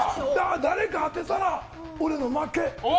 誰か当てたら俺の負け。